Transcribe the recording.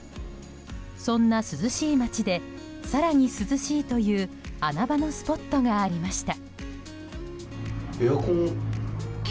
そんな涼しい町で更に涼しいという穴場のスポットがありました。